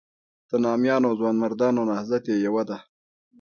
د نامیانو او ځوانمردانو نهضت یې یوه ده.